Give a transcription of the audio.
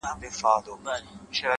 • تا د ورځي زه د ځان كړمه جانـانـه ـ